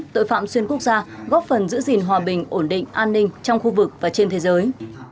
tội phạm xuyên quốc gia góp phần giữ gìn hòa bình ổn định an ninh trong khu vực và trên thế giới